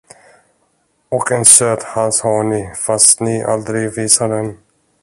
Och en söt hals har ni, fast ni aldrig visar den.